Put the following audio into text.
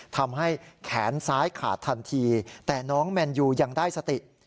ทำให้แขนซ้ายขาดทันทีแต่น้องแมนยูยังได้สติ